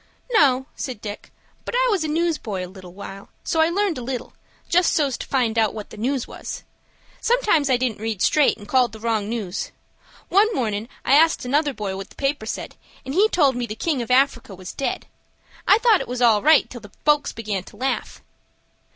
"No," said Dick; "but I was a newsboy a little while; so I learned a little, just so's to find out what the news was. Sometimes I didn't read straight and called the wrong news. One mornin' I asked another boy what the paper said, and he told me the King of Africa was dead. I thought it was all right till folks began to laugh."